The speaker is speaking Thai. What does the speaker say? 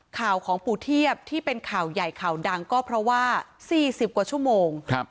ข่าวของปู่เทียบที่เป็นข่าวใหญ่ข่าวดังก็เพราะว่า๔๐กว่าชั่วโมง